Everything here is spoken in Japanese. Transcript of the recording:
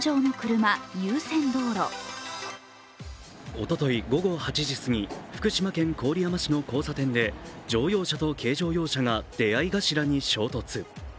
おととい午後８時過ぎ福島県郡山市の交差点で乗用車と軽乗用車が出会い頭に衝突。